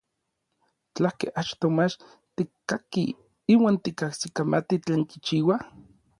Tlakej achtoj mach tikkakij iuan tikajsikamati tlen kichiua?